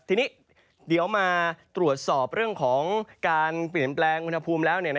ทีนี้เดี๋ยวมาตรวจสอบเรื่องของการเปลี่ยนแปลงอุณหภูมิแล้ว